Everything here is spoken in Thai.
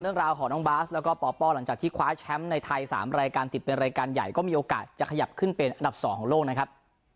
เรื่องราวของน้องบาสแล้วก็ปปหลังจากที่คว้าแชมป์ในไทย๓รายการติดเป็นรายการใหญ่ก็มีโอกาสจะขยับขึ้นเป็นอันดับ๒ของโลกนะครับ